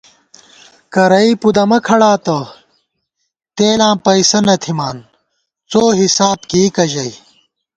کرَئی پُدَمہ کھڑاتہ تېلاں پَئیسہ نہ تھِمان، څوحِساب کېئیکہ ژَئی